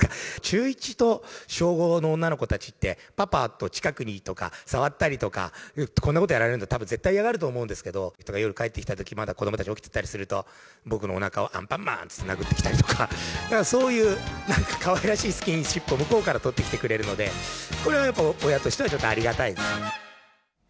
中１と小５の女の子たちっていうのは、パパと近くにとか、触ったりとか、こんなことやられるの、たぶん、絶対嫌がると思うんですけど、夜帰ってきたとき、まだ子どもたち起きてたりすると、僕のおなかをアンパンマン！って殴ってきたりとか、そういう、なんかかわいらしいスキンシップを、向こうから取ってきてくれるので、これはやっぱ、親としては、ちょっとありがたいですね。